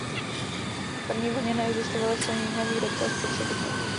V první vlně neexistovalo členění na výrobce a spotřebitele.